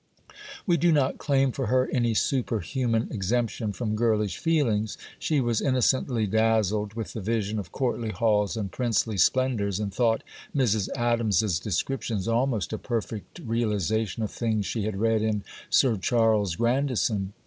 We do not claim for her any superhuman exemption from girlish feelings. She was innocently dazzled with the vision of courtly halls and princely splendours, and thought Mrs. Adams's descriptions almost a perfect realization of things she had read in 'Sir Charles Grandison.